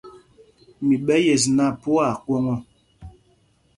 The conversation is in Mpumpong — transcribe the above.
Mi ɓɛ̄ yes nak, phu aa kwoŋ ɔ.